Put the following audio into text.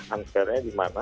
unfairnya di mana